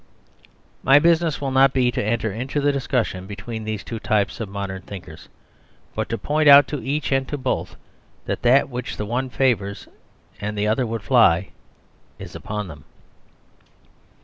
My business will not be to enter into the discussion between these two types of modern thinkers, but to point out to each and to both that that which the one favours and the other would fly is upon them.